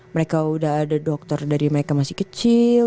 mereka udah ada dokter dari mereka masih kecil